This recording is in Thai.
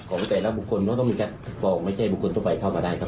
ของแต่ละบุคคลก็ต้องมีการบอกไม่ใช่บุคคลทั่วไปเข้ามาได้ครับ